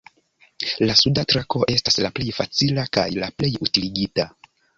La suda trako estas la plej facila kaj la plej utiligita.